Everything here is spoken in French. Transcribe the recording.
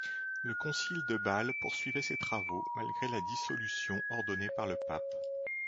Le concile de Bâle poursuivait ses travaux malgré la dissolution ordonnée par le pape.